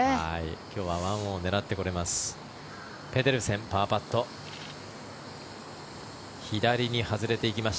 今日は１オンを狙ってこれます。